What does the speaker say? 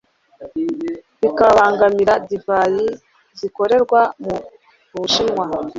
bikabangamira divayi zikorerwa mu Bushinwa.